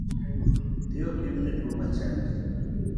Dhi pimni tuo machandi